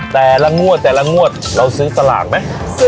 แต่ละงวดแต่ละงวดเราซื้อสลากไหม